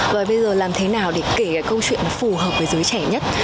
và bây giờ làm thế nào để kể cái câu chuyện phù hợp với giới trẻ nhất